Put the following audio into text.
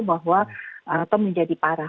bahwa atau menjadi parah